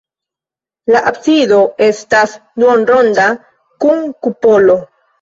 La absido estas duonronda kun kupolo.